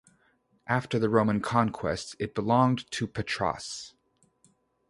After the Roman conquest, it belonged to Patras.